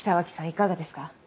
いかがですか？